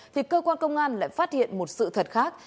thì cơ quan công an lại phát hiện một sự thật khác